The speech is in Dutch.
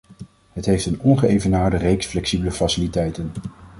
Het heeft een ongeëvenaarde reeks flexibele faciliteiten.